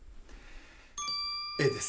Ａです